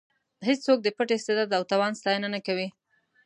هېڅوک د پټ استعداد او توان ستاینه نه کوي.